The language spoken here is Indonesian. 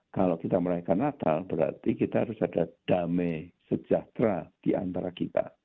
kalau kita merayakan natal berarti kita harus ada damai sejahtera diantara kita